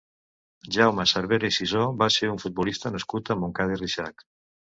Jaume Cervera i Sisó va ser un futbolista nascut a Montcada i Reixac.